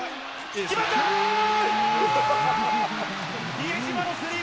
比江島のスリー。